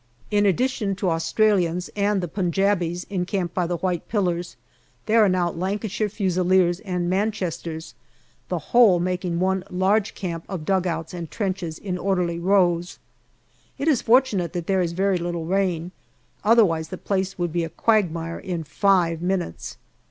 In addition to Australians and the Punjabis in camp by the white pillars, there are now MAY 79 Lancashire Fusiliers and Manchesters, the whole making one large camp of dugouts and trenches in orderly rows. It is fortunate that there is very little rain, otherwise the place would be a quagmire in five minutes.